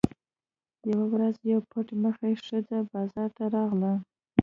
یوه ورځ یوه پټ مخې ښځه بازار ته راغله.